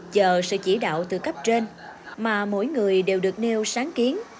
chờ sự chỉ đạo từ cấp trên mà mỗi người đều được nêu sáng kiến